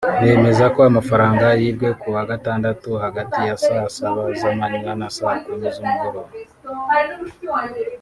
bemeza ko amafaranga yibwe ku wa gatandatu hagati ya saa saba z’amanywa na saa kumi z’umugoroba